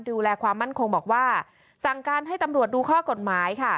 ดูแลความมั่นคงบอกว่าสั่งการให้ตำรวจดูข้อกฎหมายค่ะ